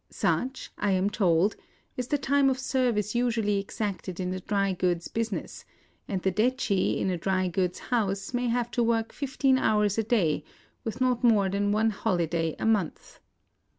Such, I am told, is the time of service usually exacted in the dry goods business ; and the detchi in a dry goods house may have to work fifteen hours a day, with not more than one holiday a month.